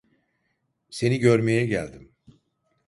Seni görmeye geldim.